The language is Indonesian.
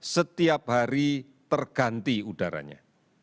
setiap hari terganti udaranya